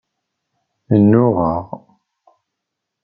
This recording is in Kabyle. Nnuɣeɣ.